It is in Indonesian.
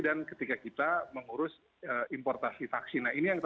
dan ketika kita mengurus importasi vaksin